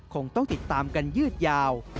คงต้องติดตามกันยืดยาว